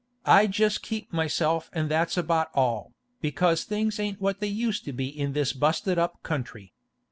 I jest keep myself and that's about all, because things ain't what they used to be in this busted up country.